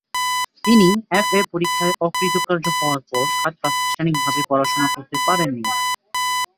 তিনি এফ.এ. পরীক্ষায় অকৃতকার্য হওয়ার পর আর প্রাতিষ্ঠানিকভাবে পড়াশোনা করতে পারেননি।